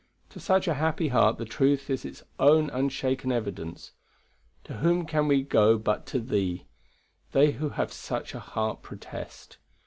To such a happy heart the truth is its own unshaken evidence. To whom can we go but to Thee? they who have such a heart protest.